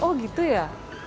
oh gitu ya